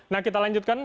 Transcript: nah kita lanjutkan